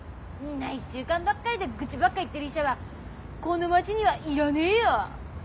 １週間ばっかりで愚痴ばっか言ってる医者はこの町にはいらねえや。